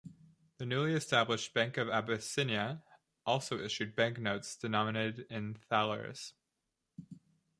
The newly established Bank of Abyssinia also issued banknotes denominated in thalers.